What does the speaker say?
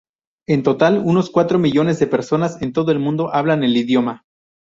En total, unos cuatro millones de personas en todo el mundo hablan el idioma.